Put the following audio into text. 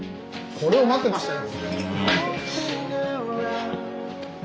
これを待ってましたよ。